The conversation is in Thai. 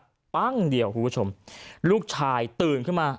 ปั๊งเป็นอย่างเดียวครูเพื่อผู้ชมลูกชายตื่นขึ้นมา